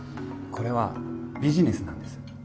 これはビジネスなんです